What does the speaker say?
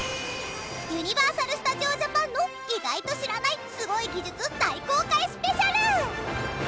ユニバーサル・スタジオ・ジャパンの意外と知らないスゴい技術大公開スペシャル！